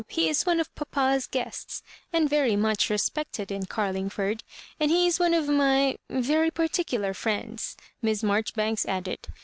He is one of papa's guests, and very much respected in Garlingford ; and he is one of my — vejy particular friends, Miss Marjoribanks added.